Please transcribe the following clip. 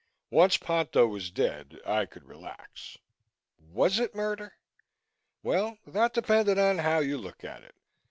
Once Ponto was dead, I could relax. Was it murder? Well, that depended on how you look at it.